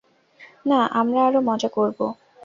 না, আমরা আরও মজা করব।